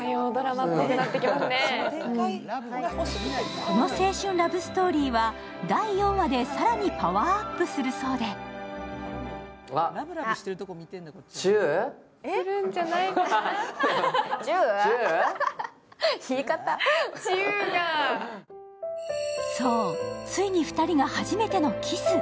この青春ラブストーリーは、第４話で更にパワーアップするそうでそう、ついに２人が初めてのキス。